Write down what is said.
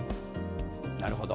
なるほど。